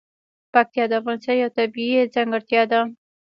پکتیا د افغانستان یوه طبیعي ځانګړتیا ده.